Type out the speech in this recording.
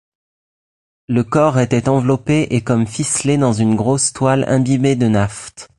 Le corps était enveloppé et comme ficelé dans une grosse toile imbibée de naphte.